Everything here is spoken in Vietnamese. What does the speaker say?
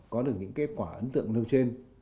có được những kết quả ấn tượng nơi trên